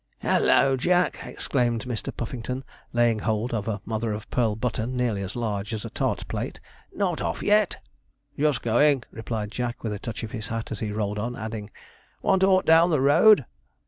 'Holloa, Jack!' exclaimed Mr. Puffington, laying hold of a mother of pearl button nearly as large as a tart plate, 'not off yet?' 'Just going,' replied Jack, with a touch of his hat, as he rolled on, adding, 'want aught down the road?'